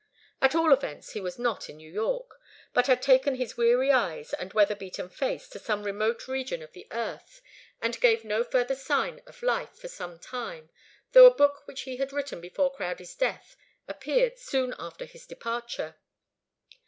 At all events, he was not in New York, but had taken his weary eyes and weather beaten face to some remote region of the earth, and gave no further sign of life for some time, though a book which he had written before Crowdie's death appeared soon after his departure.